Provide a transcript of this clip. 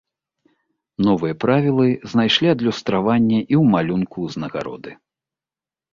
Новыя правілы знайшлі адлюстраванне і ў малюнку ўзнагароды.